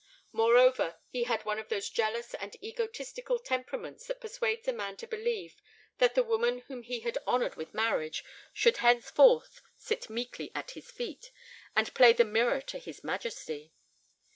Moreover, he had one of those jealous and egotistical temperaments that persuades a man to believe that the woman whom he had honored with marriage should henceforth sit meekly at his feet—and play the mirror to his majesty.